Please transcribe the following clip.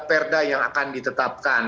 perda yang akan ditetapkan